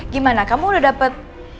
gimana kamu udah dapet